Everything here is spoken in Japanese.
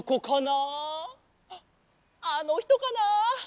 あっあのひとかな？